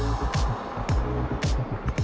seorang pemain bulu tangkis